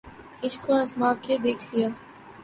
عشق کو آزما کے دیکھ لیا